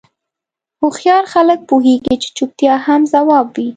هوښیار خلک پوهېږي چې چوپتیا هم ځواب وي.